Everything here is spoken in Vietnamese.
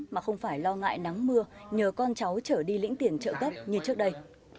mà không phải lo ngại nắng mưa nhờ con cháu trở đi lĩnh tiền trợ cấp như trước đây